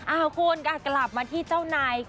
อ้าวคุณค่ะกลับมาที่เจ้านาย